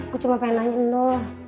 gue cuma pengen nanya lo